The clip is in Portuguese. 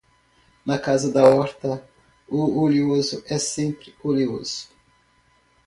Na casa da horta, o oleoso é sempre oleoso.